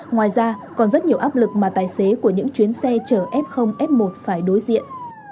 ngoài ra còn rất nhiều áp lực mà tài xế của những chuyến xe chở f f một phải đối diện